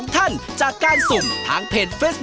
และดูทอัลโหลด